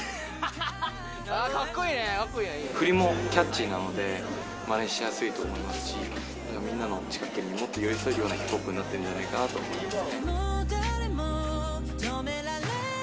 振りもキャッチーなので、まねしやすいと思いますし、みんなの近くにもっと寄り添えるようなヒップホップになってるんじゃないかなと思いますね。